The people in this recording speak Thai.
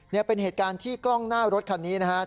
นี่เป็นเหตุการณ์ที่กล้องหน้ารถคันนี้นะครับ